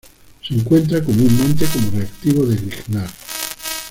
Se encuentran comúnmente como reactivo de Grignard.